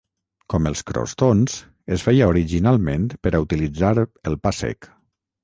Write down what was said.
Com els crostons, es feia originalment per a utilitzar el pa sec.